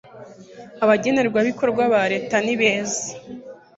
abagenerwabikorwa ba reta nibeza